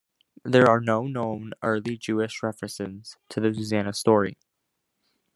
There are no known early Jewish references to the Susanna story.